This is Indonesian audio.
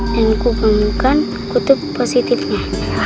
dan ku bangunkan kutub positifnya